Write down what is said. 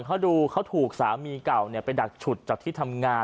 เขาดูเขาถูกสามีเก่าไปดักฉุดจากที่ทำงาน